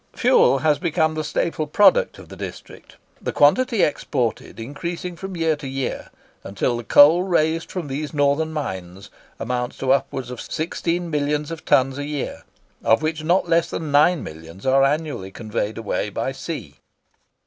Fuel has become the staple product of the district, the quantity exported increasing from year to year, until the coal raised from these northern mines amounts to upwards of sixteen millions of tons a year, of which not less than nine millions are annually conveyed away by sea.